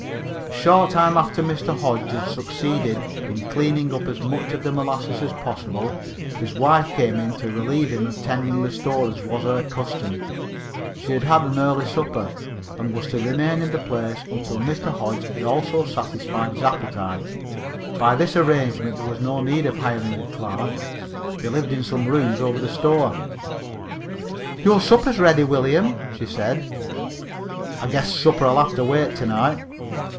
A short time after Mr. Hodge had succeeded in cleaning up as much of the molasses as possible his wife came in to relieve him of tending the store, as was her custom. She had had an early supper, and was to remain in the place until Mr. Hodge had also satisfied his appetite. By this arrangement there was no need of hiring a clerk. They lived in some rooms over the store. "Your supper's ready, William," she said. "I guess supper'll have to wait to night."